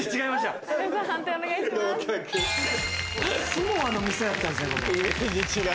スモアの店だったんですね